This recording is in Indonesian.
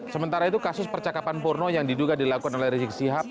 sementara itu kasus percakapan porno yang diduga dilakukan oleh rizik sihab